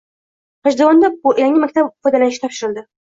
G‘ijduvonda yangi maktab foydalanishga topshirildi